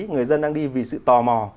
người dân đang đi vì sự tò mò